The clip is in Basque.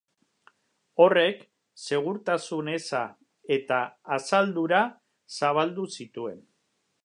Horrek segurtasun-eza eta asaldura zabaldu zituen.